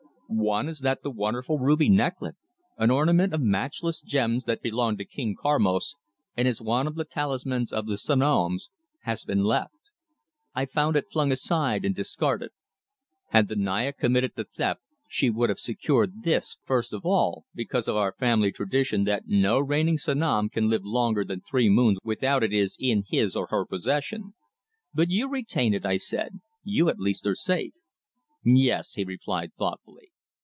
"One is that the wonderful ruby necklet, an ornament of matchless gems that belonged to King Karmos and is one of the talismans of the Sanoms, has been left. I found it flung aside and discarded. Had the Naya committed the theft she would have secured this first of all, because of our family tradition that no reigning Sanom can live longer than three moons without it is in his or her possession." "But you retain it," I said. "You, at least, are safe." "Yes," he replied thoughtfully.